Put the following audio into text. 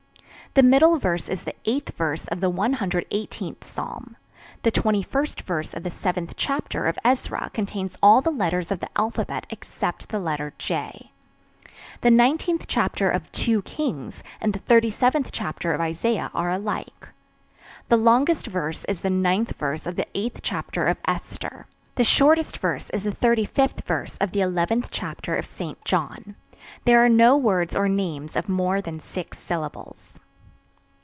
The middle verse is the 8th verse of the 118th Psalm. The 21st verse of the 7th chapter of Ezra contains all the letters of the alphabet except the letter J. The 19th chapter of II Kings and the 37th chapter of Isaiah are alike. The longest verse is the 9th verse of the 8th chapter of Esther. The shortest verse is the 35th verse of the 11th chapter of St. John. There are no words or names of more than six syllables.